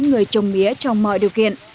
người trồng mía trong mọi điều kiện